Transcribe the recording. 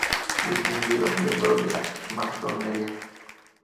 Distinguido miembro de la Masonería.